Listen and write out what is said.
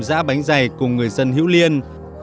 giã bánh giày cùng người dân hữu liên